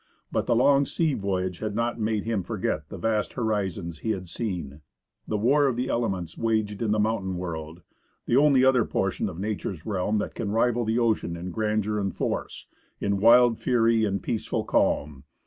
But the long sea voyage had not made him forget the vast horizons he had seen, the war of the elements waged in the mountain world — the only other portion of Nature's realm that can rival the ocean in grandeur and force, in wild fury and peaceful calm.